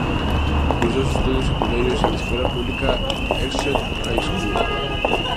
Cursó sus estudios secundarios en la escuela pública Exeter High School.